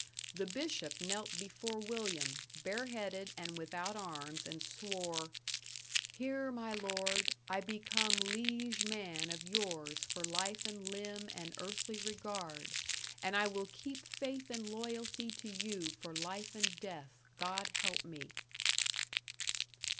The bishop knelt before William, bareheaded and without arms, and swore: "Hear my lord, I become liege man of yours for life and limb and earthly regard, and I will keep faith and loyalty to you for life and death, God help me."